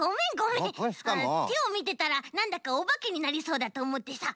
てをみてたらなんだかおばけになりそうだとおもってさ。